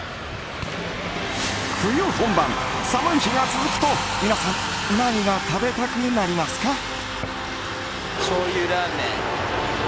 冬本番、寒い日が続くと皆さん何が食べたくなりますか？